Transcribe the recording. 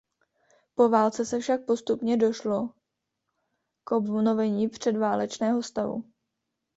Po válce se však postupně došlo k obnovení předválečného stavu.